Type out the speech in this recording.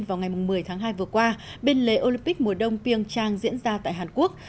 vào ngày một mươi tháng hai vừa qua bên lề olympic mùa đông pian diễn ra tại hàn quốc